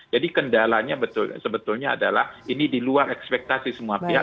jadi kendalanya sebetulnya adalah ini di luar ekspektasi semua pihak